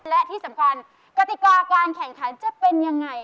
และที่สำคัญกติกาการแข่งขันจะเป็นยังไง